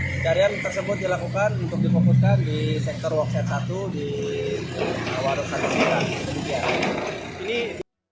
pencarian tersebut dilakukan untuk dipokuskan di sektor woksat satu di bawah dosa kecil